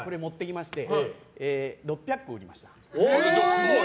すごい。